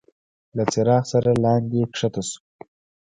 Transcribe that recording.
له څراغ سره لاندي کښته شو.